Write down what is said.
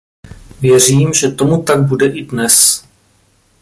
Věřím, že tomu tak bude i dnes.